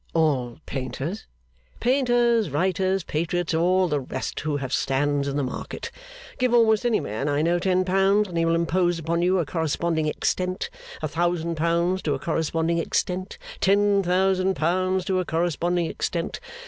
'All painters?' 'Painters, writers, patriots, all the rest who have stands in the market. Give almost any man I know ten pounds, and he will impose upon you to a corresponding extent; a thousand pounds to a corresponding extent; ten thousand pounds to a corresponding extent.